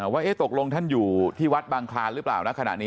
ว่าตกลงท่านอยู่ที่วัดบางคลานหรือเปล่า